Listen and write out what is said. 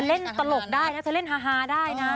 เธอเล่นตลกได้เธอเล่นฮาได้นะ